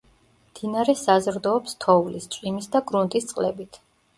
მდინარე საზრდოობს თოვლის, წვიმის და გრუნტის წყლებით.